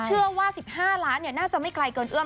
เชื่อว่า๑๕ล้านน่าจะไม่ไกลเกินเอื้อม